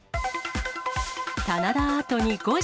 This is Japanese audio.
棚田アートに誤字。